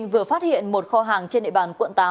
vừa phát hiện một kho hàng trên địa bàn quận tám